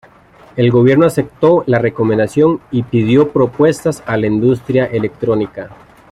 El gobierno aceptó la recomendación y pidió propuestas a la industria electrónica.